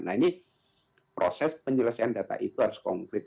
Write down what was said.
nah ini proses penyelesaian data itu harus konkret